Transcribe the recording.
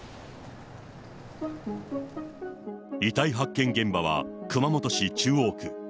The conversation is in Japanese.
遺体発見現場は熊本市中央区。